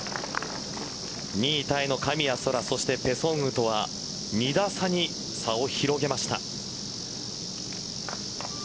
２位タイの神谷そらそしてペ・ソンウとは２打差に差を広げました。